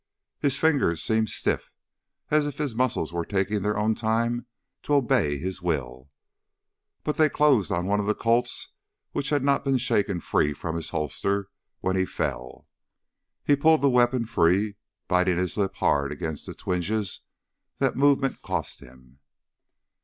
His fingers seemed stiff as if his muscles were taking their own time to obey his will but they closed on one of the Colts which had not been shaken free from his holster when he fell. He pulled the weapon free, biting his lip hard against the twinges that movement cost him.